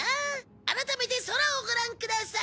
改めて空をご覧ください。